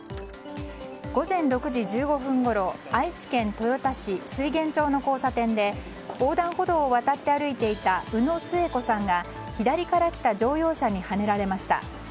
午前６時１５分ごろ愛知県豊田市水源町の交差点で横断歩道を渡って歩いていた宇野末子さんが左から来た乗用車にはねられました。